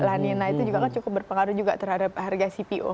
lanina itu juga kan cukup berpengaruh juga terhadap harga cpo